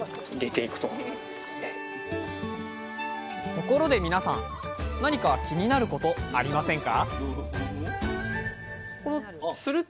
ところで皆さん何か気になることありませんか？